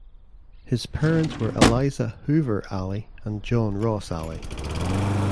His parents were Eliza "Hoover" Alley and John Ross Alley.